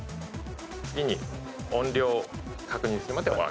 次に音量確認するまで上げます。